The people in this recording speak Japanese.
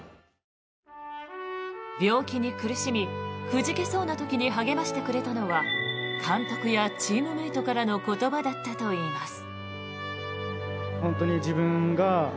病気に苦しみ、くじけそうな時に励ましてくれたのは監督やチームメートからの言葉だったといいます。